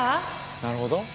なるほど。